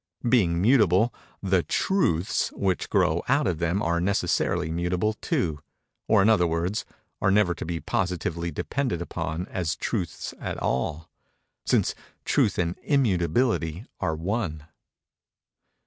Being mutable, the "truths" which grow out of them are necessarily mutable too; or, in other words, are never to be positively depended upon as truths at all—since Truth and Immutability are one.